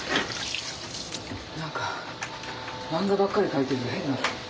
何か漫画ばっかり描いてると変になる。